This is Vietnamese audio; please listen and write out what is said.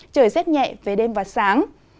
trời rét nhẹ về đêm và sáng